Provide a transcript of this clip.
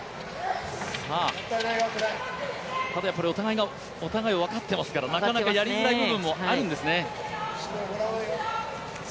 お互いがお互いを分かってますから、やりづらい部分もあるんですね。